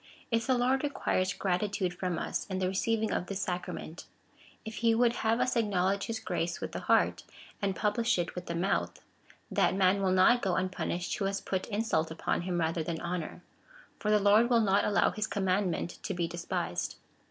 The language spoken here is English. If the Lord requires gratitude from us in the receiving of this sacrament — if he would have us acknowledge his grace with the heart, and publish it with the mouth — that man will not go unpunished, who has put insult upon him rather than honour ; for the Lord will not allow his commandmient to be despised.